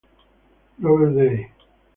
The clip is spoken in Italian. Robert Day